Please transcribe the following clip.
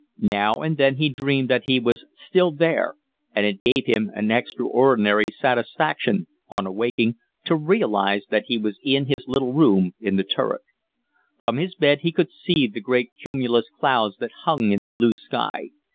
Now and then he dreamed that he was there still, and it gave him an extraordinary satisfaction, on awaking, to realise that he was in his little room in the turret. From his bed he could see the great cumulus clouds that hung in the blue sky.